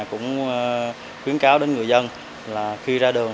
cũng khuyến cáo đến người dân là khi ra đường